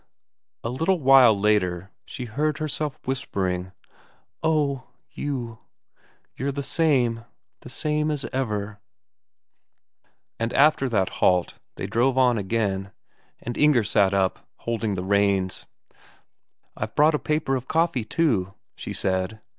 A little while after she heard herself whispering: "Oh, you ... you're just the same the same as ever!" And after that halt they drove on again, and Inger sat up, holding the reins. "I've brought a paper of coffee too," she said.